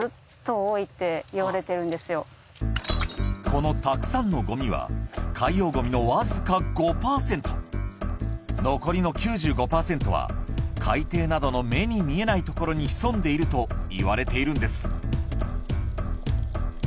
このたくさんのゴミは海洋ゴミのわずか５％残りの９５％は海底などの目に見えない所に潜んでいるといわれているんです